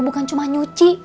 bukan cuma nyuci